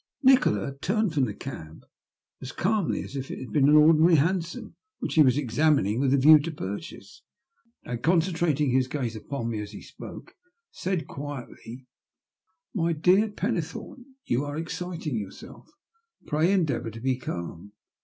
Nikola turned from the cab as calmly as if it had been an ordinary hansom which he was examining with a view to purchase, and, concentrating his gaze upon me as he spoke, said quietly :My dear Pennethome, you are exciting yourself. Fray endeavour to be calm.